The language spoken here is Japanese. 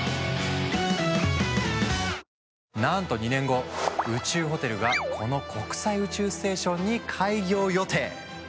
なんと２年後、宇宙ホテルがこの国際宇宙ステーションに開業予定！